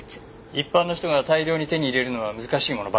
一般の人が大量に手に入れるのは難しいものばかりです。